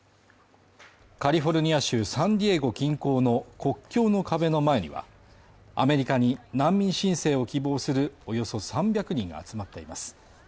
カリフォルニア州サンディエゴ近郊の国境の壁の前には、アメリカに難民申請を希望するおよそ３００人が集まっています。